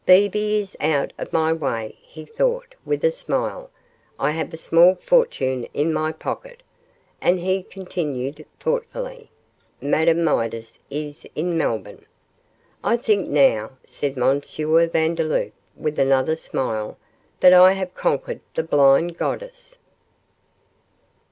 'Bebe is out of my way,' he thought, with a smile; 'I have a small fortune in my pocket, and,' he continued, thoughtfully, 'Madame Midas is in Melbourne. I think now,' said M. Vandeloup, with another smile, 'that I have conquered the blind goddess.